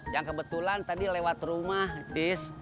yang kebetulan tadi lewat rumah bis